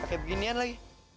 pake beginian lagi